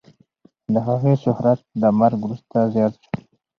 د هغې شهرت د مرګ وروسته زیات شو.